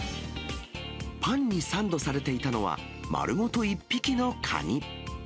パンにサンドされていたのは、まるごと１匹のカニ。